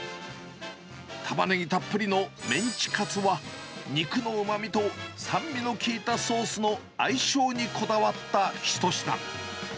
たまねぎたっぷりのメンチカツは、肉のうまみと酸味の効いたソースの相性にこだわった一品。